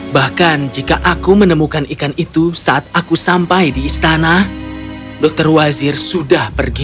bahkan jika aku menemukan ikan itu saat aku sampai di istana dokter wazir sudah pergi